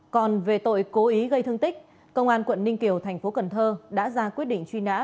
còn về tội cố ý gây thương tích công an quận ninh kiều thành phố cần thơ đã ra quyết định truy nã